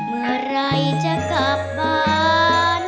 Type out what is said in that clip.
เมื่อไหร่จะกลับบ้าน